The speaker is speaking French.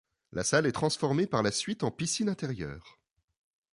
La salle est transformée par la suite en piscine intérieure.